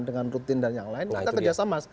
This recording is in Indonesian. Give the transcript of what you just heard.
dengan rutin dan yang lain kita kerjasama